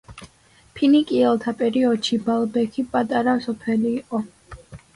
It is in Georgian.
ფინიკიელთა პერიოდში ბაალბექი პატარა სოფელი იყო.